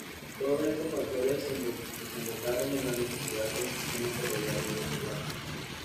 Todos estos factores desembocaron en la necesidad de un sistema ferroviario urbano.